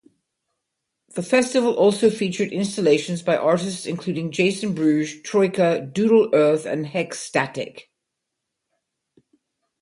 The festival also featured installations by artists including Jason Bruges, Troika, Doodlearth and Hexstatic.